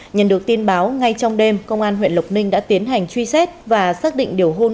nhận được tin báo ngay trong đêm công an huyện lộc ninh đã tiến hành truy xét và xác định điều hôn